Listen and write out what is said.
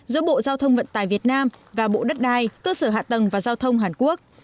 giữa bộ giao thông vận tải việt nam và bộ đất đai cơ sở hạ tầng và giao thông hàn quốc